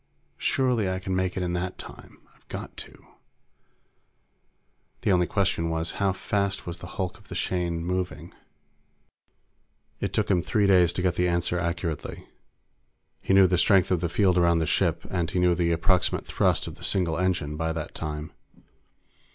Surely I can make it in that time. I've got to._ The only question was, how fast was the hulk of the Shane moving? It took him three days to get the answer accurately. He knew the strength of the field around the ship, and he knew the approximate thrust of the single engine by that time.